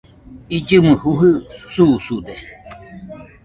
illɨmo jujɨ susude